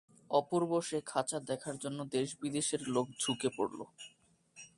অপূর্ব সে খাঁচা দেখার জন্য দেশ-বিদেশের লোক ঝুঁকে পড়ল।